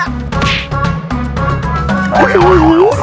sekarang kau akan merasakan